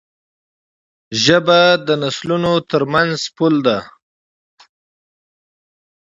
ژبه د نسلونو ترمنځ پُل دی.